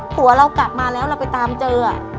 ผัวเรากลับมาแล้วเราไปตามเจอ